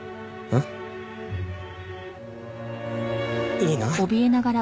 いいな？